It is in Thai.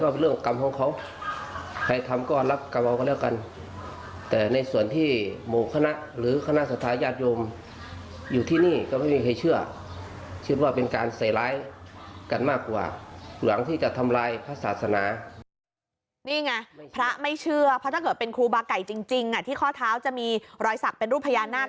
เพราะถ้าเกิดเป็นครูบาไก่จริงที่ข้อเท้าจะมีรอยศักดิ์เป็นรูปพญานาค